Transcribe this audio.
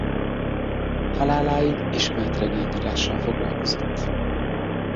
Haláláig ismét regényírással foglalkozott.